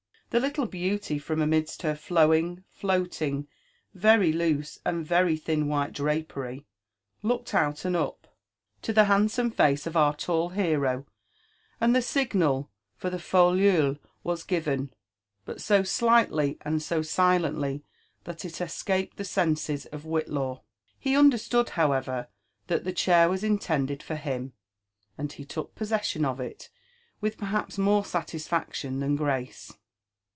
The little beauty, from amidst her flowing, floating, very loose, and tery thin white drapery, looked' out and up, to t)ie handsome face of 14» tli LIFE AND ADVENTURES OP our tall hero, and the signal for ihe/auteuil was given, but so slightly and so silently that it escaped the senses of Whillaw. He understood, however, that the chair was intended for him, and he took possession of il with perhaps more salisfaclion than grace.